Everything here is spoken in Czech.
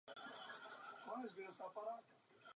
Podléhaly kontrole a jurisdikci rychtáře a rady města.